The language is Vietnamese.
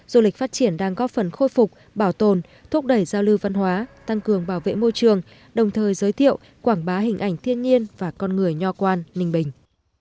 du lịch phát triển đang góp phần khôi phục bảo tồn thúc đẩy giao lưu văn hóa tăng cường bảo vệ môi trường đồng thời giới thiệu quảng bá hình ảnh thiên nhiên và con người nho quan ninh bình